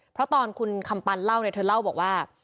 เพราะตอนคุณคำปันเล่าเนี่ยเธอเล่าบอกว่า